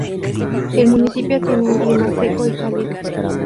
El municipio tiene un clima seco y cálido.